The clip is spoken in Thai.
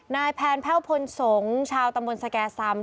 นายแพ้วพลสงศ์ชาวตำบลสแก่สำ